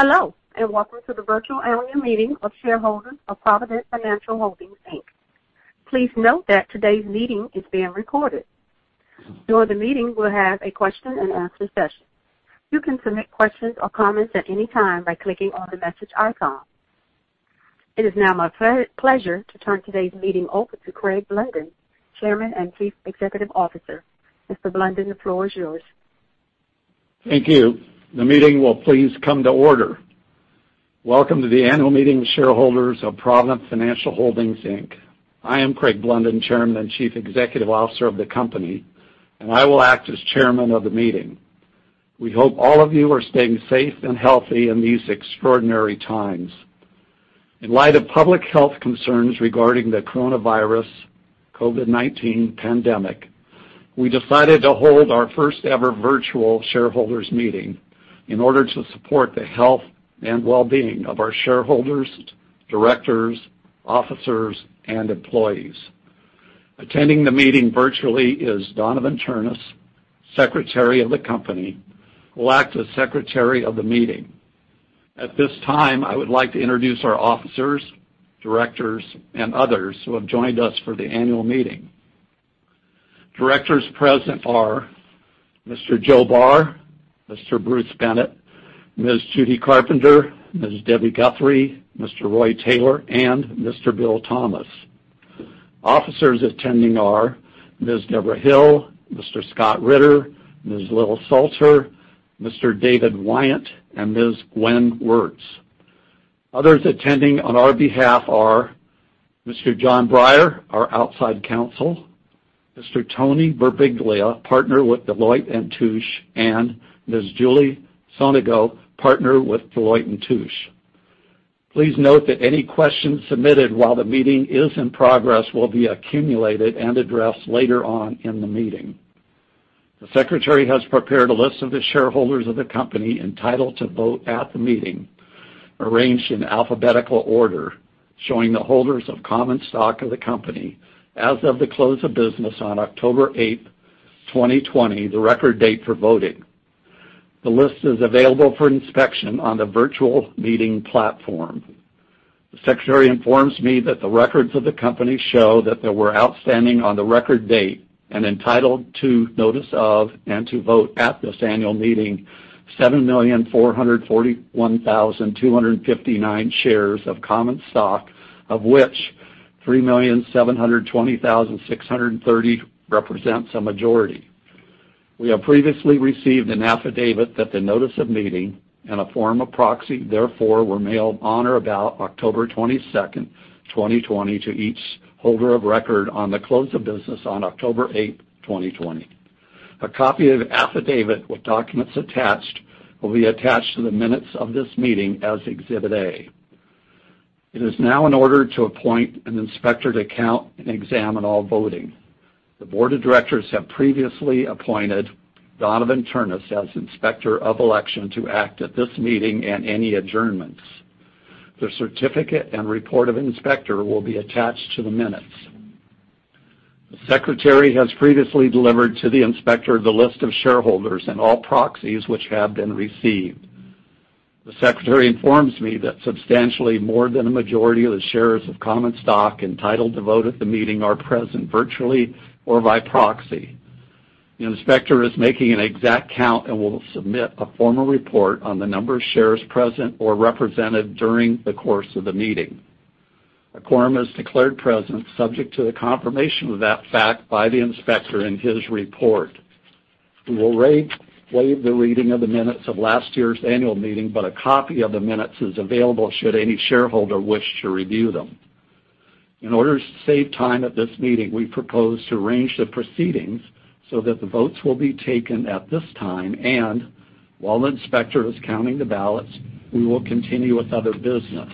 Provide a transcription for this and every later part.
Hello, and welcome to the virtual annual meeting of shareholders of Provident Financial Holdings, Inc. Please note that today's meeting is being recorded. During the meeting, we'll have a question and answer session. You can submit questions or comments at any time by clicking on the message icon. It is now my pleasure to turn today's meeting over to Craig Blunden, Chairman and Chief Executive Officer. Mr. Blunden, the floor is yours. Thank you. The meeting will please come to order. Welcome to the annual meeting of shareholders of Provident Financial Holdings, Inc. I am Craig Blunden, Chairman and Chief Executive Officer of the company, and I will act as chairman of the meeting. We hope all of you are staying safe and healthy in these extraordinary times. In light of public health concerns regarding the coronavirus COVID-19 pandemic, we decided to hold our first-ever virtual shareholders meeting in order to support the health and well-being of our shareholders, directors, officers, and employees. Attending the meeting virtually is Donavon Ternes, Secretary of the company, who will act as secretary of the meeting. At this time, I would like to introduce our officers, directors, and others who have joined us for the annual meeting. Directors present are Mr. Joe Barr, Mr. Bruce Bennett, Ms. Judy Carpenter, Ms. Debbi Guthrie, Mr. Roy Taylor, and Mr. Bill Thomas. Officers attending are Ms. Deborah Hill, Mr. Robert Ritter, Ms. Lilian Salter, Mr. David Weiant, and Ms. Gwen Wertz. Others attending on our behalf are Mr. John Breyer, our outside counsel, Mr. Tony Birbiglia, partner with Deloitte & Touche, and Ms. Julie Sonego, partner with Deloitte & Touche. Please note that any questions submitted while the meeting is in progress will be accumulated and addressed later on in the meeting. The secretary has prepared a list of the shareholders of the company entitled to vote at the meeting, arranged in alphabetical order, showing the holders of common stock of the company as of the close of business on October 8, 2020, the record date for voting. The list is available for inspection on the virtual meeting platform. The secretary informs me that the records of the company show that there were outstanding on the record date and entitled to notice of and to vote at this annual meeting 7,441,259 shares of common stock, of which 3,720,630 represents a majority. We have previously received an affidavit that the notice of meeting and a form of proxy, therefore, were mailed on or about October 22, 2020 to each holder of record on the close of business on October 8, 2020. A copy of the affidavit with documents attached will be attached to the minutes of this meeting as Exhibit A. It is now in order to appoint an inspector to count and examine all voting. The board of directors have previously appointed Donavon Ternes as Inspector of Election to act at this meeting and any adjournments. The certificate and report of inspector will be attached to the minutes. The secretary has previously delivered to the inspector the list of shareholders and all proxies which have been received. The secretary informs me that substantially more than a majority of the shares of common stock entitled to vote at the meeting are present virtually or by proxy. The inspector is making an exact count and will submit a formal report on the number of shares present or represented during the course of the meeting. A quorum is declared present subject to the confirmation of that fact by the inspector in his report. We will waive the reading of the minutes of last year's annual meeting, but a copy of the minutes is available should any shareholder wish to review them. In order to save time at this meeting, we propose to arrange the proceedings so that the votes will be taken at this time, and while the inspector is counting the ballots, we will continue with other business.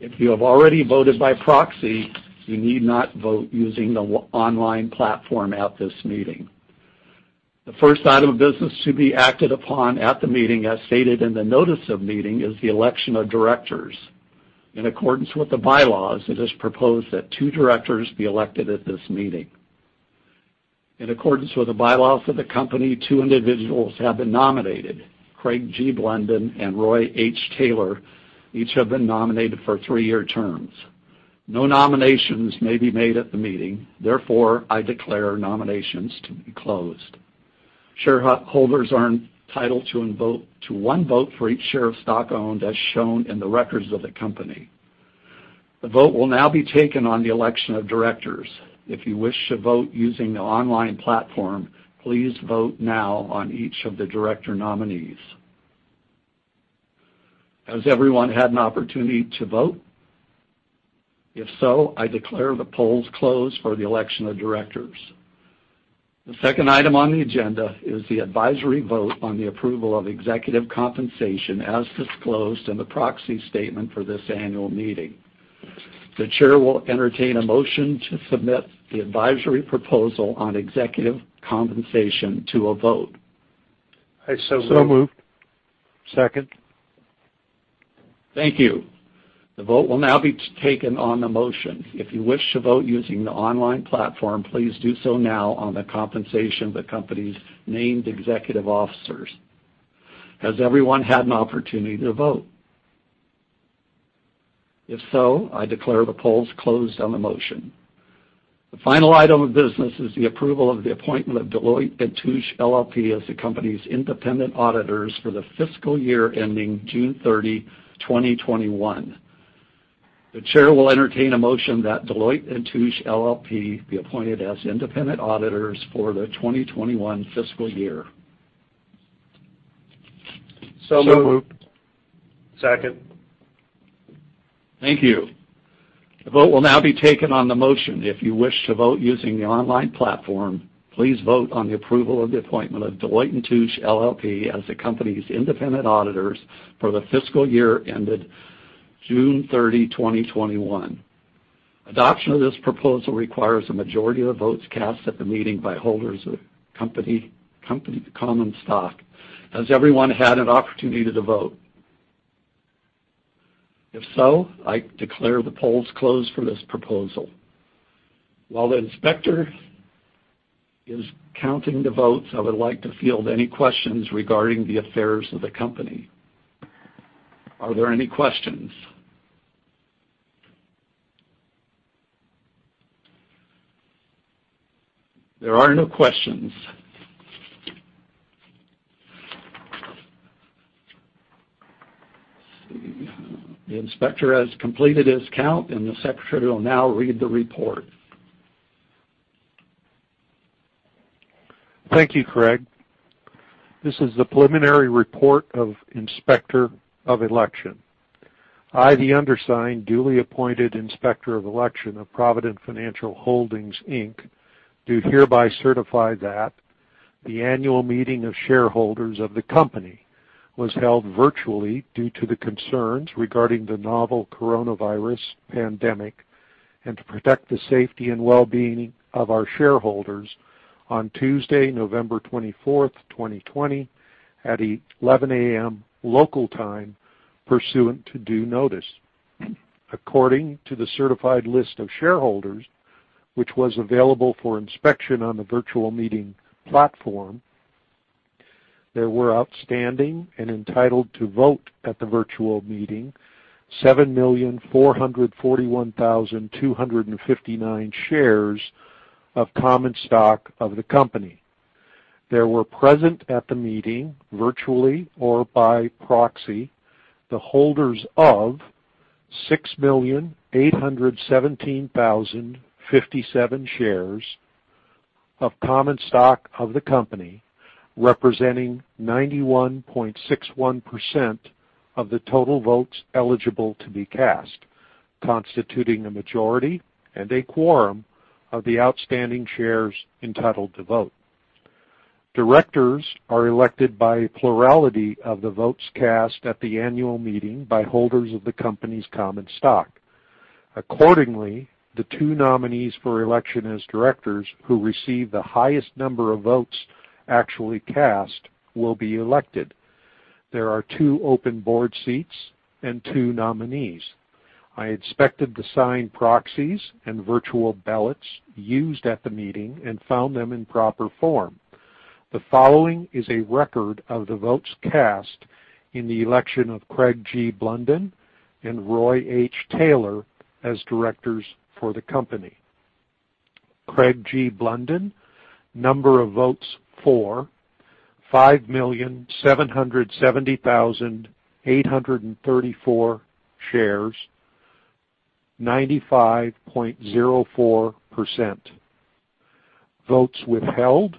If you have already voted by proxy, you need not vote using the online platform at this meeting. The first item of business to be acted upon at the meeting, as stated in the notice of meeting, is the election of directors. In accordance with the bylaws, it is proposed that two directors be elected at this meeting. In accordance with the bylaws of the company, two individuals have been nominated. Craig G. Blunden and Roy H. Taylor each have been nominated for three-year terms. No nominations may be made at the meeting. Therefore, I declare nominations to be closed. Shareholders are entitled to one vote for each share of stock owned as shown in the records of the company. The vote will now be taken on the election of directors. If you wish to vote using the online platform, please vote now on each of the director nominees. Has everyone had an opportunity to vote? If so, I declare the polls closed for the election of directors. The second item on the agenda is the advisory vote on the approval of executive compensation as disclosed in the proxy statement for this annual meeting. The chair will entertain a motion to submit the advisory proposal on executive compensation to a vote. I so move. Second. Thank you. The vote will now be taken on the motion. If you wish to vote using the online platform, please do so now on the compensation of the company's named executive officers. Has everyone had an opportunity to vote? If so, I declare the polls closed on the motion. The final item of business is the approval of the appointment of Deloitte & Touche LLP as the company's independent auditors for the fiscal year ending June 30, 2021. The chair will entertain a motion that Deloitte & Touche LLP be appointed as independent auditors for the 2021 fiscal year. Moved. Second. Thank you. The vote will now be taken on the motion. If you wish to vote using the online platform, please vote on the approval of the appointment of Deloitte & Touche LLP as the company's independent auditors for the fiscal year ending June 30, 2021. Adoption of this proposal requires a majority of the votes cast at the meeting by holders of company common stock. Has everyone had an opportunity to vote? If so, I declare the polls closed for this proposal. While the inspector is counting the votes, I would like to field any questions regarding the affairs of the company. Are there any questions? There are no questions. Let's see. The inspector has completed his count, and the secretary will now read the report. Thank you, Craig. This is the preliminary report of Inspector of Election. I, the undersigned, duly appointed Inspector of Election of Provident Financial Holdings, Inc., do hereby certify that the annual meeting of shareholders of the company was held virtually due to the concerns regarding the novel coronavirus pandemic and to protect the safety and well-being of our shareholders on Tuesday, November 24, 2020, at 11:00 A.M. local time, pursuant to due notice. According to the certified list of shareholders, which was available for inspection on the virtual meeting platform, there were outstanding and entitled to vote at the virtual meeting 7,441,259 shares of common stock of the company. There were present at the meeting, virtually or by proxy, the holders of 6,817,057 shares of common stock of the company, representing 91.61% of the total votes eligible to be cast, constituting a majority and a quorum of the outstanding shares entitled to vote. Directors are elected by a plurality of the votes cast at the annual meeting by holders of the company's common stock. Accordingly, the two nominees for election as directors who receive the highest number of votes actually cast will be elected. There are two open board seats and two nominees. I inspected the signed proxies and virtual ballots used at the meeting and found them in proper form. The following is a record of the votes cast in the election of Craig G. Blunden and Roy H. Taylor as directors for the company. Craig G. Blunden, number of votes for, 5,770,834 shares, 95.04%. Votes withheld,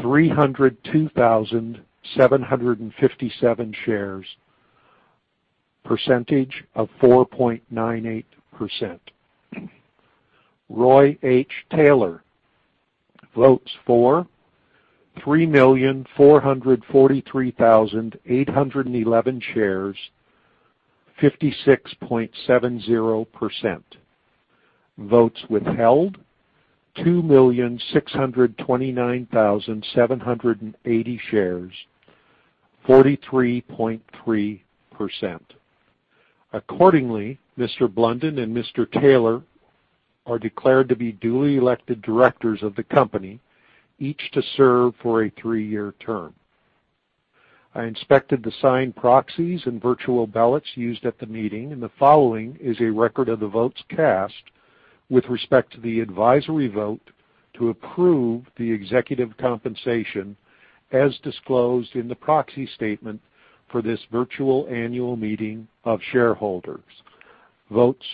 302,757 shares, percentage of 4.98%. Roy H. Taylor, votes for 3,443,811 shares, 56.70%. Votes withheld, 2,629,780 shares, 43.3%. Accordingly, Mr. Blunden and Mr. Taylor are declared to be duly elected directors of the company, each to serve for a three-year term. I inspected the signed proxies and virtual ballots used at the meeting, and the following is a record of the votes cast with respect to the advisory vote to approve the executive compensation as disclosed in the proxy statement for this virtual annual meeting of shareholders. Votes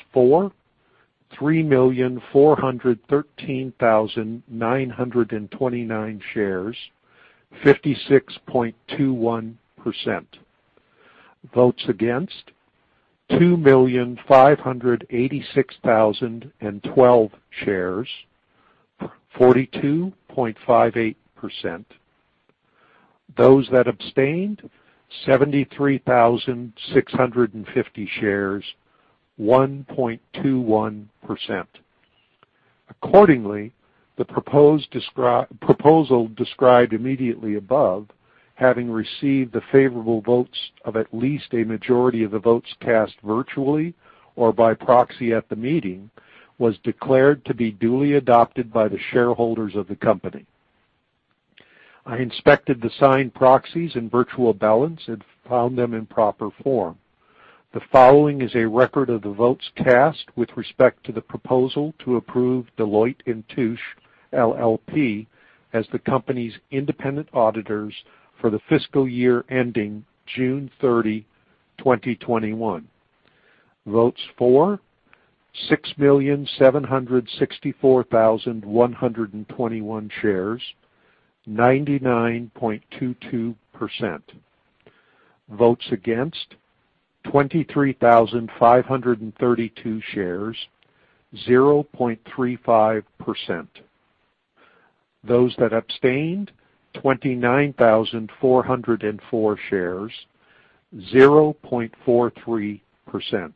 for, 3,413,929 shares, 56.21%. Votes against, 2,586,012 shares, 42.58%. Those that abstained, 73,650 shares, 1.21%. Accordingly, the proposal described immediately above, having received the favorable votes of at least a majority of the votes cast virtually or by proxy at the meeting, was declared to be duly adopted by the shareholders of the company. I inspected the signed proxies and virtual ballots and found them in proper form. The following is a record of the votes cast with respect to the proposal to approve Deloitte & Touche LLP as the company's independent auditors for the fiscal year ending June 30, 2021. Votes for 6,764,121 shares, 99.22%. Votes against 23,532 shares, 0.35%. Those that abstained, 29,404 shares, 0.43%.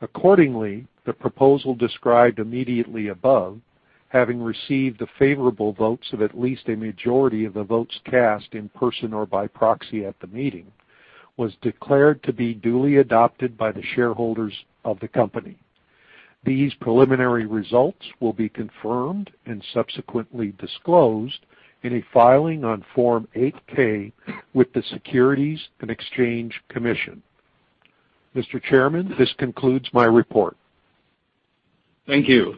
Accordingly, the proposal described immediately above, having received the favorable votes of at least a majority of the votes cast in person or by proxy at the meeting, was declared to be duly adopted by the shareholders of the company. These preliminary results will be confirmed and subsequently disclosed in a filing on Form 8-K with the Securities and Exchange Commission. Mr. Chairman, this concludes my report. Thank you.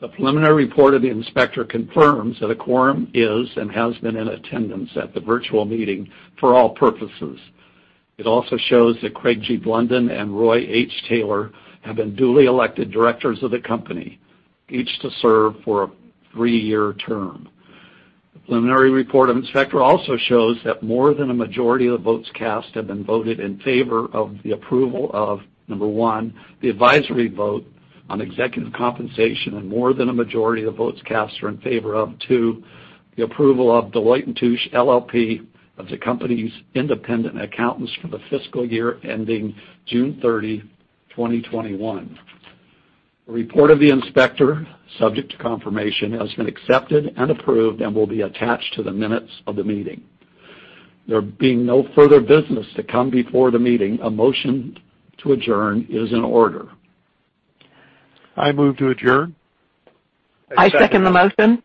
The preliminary report of the inspector confirms that a quorum is and has been in attendance at the virtual meeting for all purposes. It also shows that Craig G. Blunden and Roy H. Taylor have been duly elected directors of the company, each to serve for a three-year term. The preliminary report of inspector also shows that more than a majority of the votes cast have been voted in favor of the approval of, number one, the advisory vote on executive compensation, and more than a majority of the votes cast are in favor of, two, the approval of Deloitte & Touche LLP of the company's independent accountants for the fiscal year ending June 30, 2021. The report of the inspector, subject to confirmation, has been accepted and approved and will be attached to the minutes of the meeting. There being no further business to come before the meeting, a motion to adjourn is in order. I move to adjourn. I second the motion.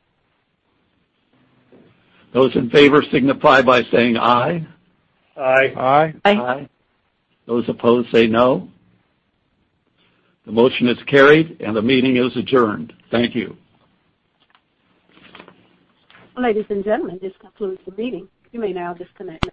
Those in favor signify by saying "Aye. Aye. Aye. Aye. Those opposed say "No." The motion is carried, and the meeting is adjourned. Thank you. Ladies and gentlemen, this concludes the meeting. You may now disconnect.